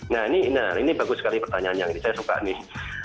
nah ini bagus sekali pertanyaannya ini saya suka nih